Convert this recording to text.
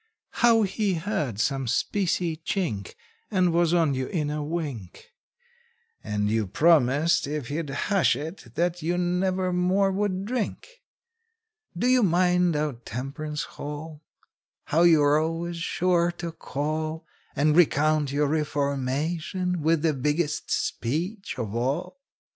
How he heard some specie chink, And was on you in a wink, And you promised if he'd hush it that you never more would drink? Do you mind our temperance hall? How you're always sure to call, And recount your reformation with the biggest speech of all?